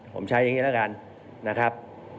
ผมใช้อย่างนี้นะครับ